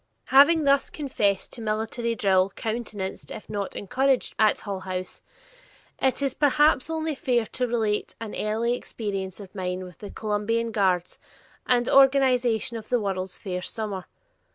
Having thus confessed to military drill countenanced if not encouraged at Hull House, it is perhaps only fair to relate an early experience of mine with the "Columbian Guards," and organization of the World's Fair summer.